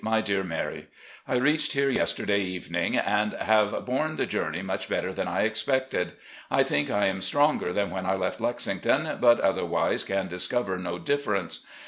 "My Dear Mary: I reached here yesterday evening and have borne the journey much better than I expected. I think I am stronger than when I left Lexington, but otherwise can discover no difference.